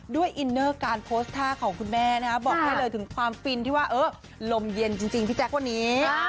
อินเนอร์การโพสต์ท่าของคุณแม่นะบอกให้เลยถึงความฟินที่ว่าเออลมเย็นจริงพี่แจ๊ควันนี้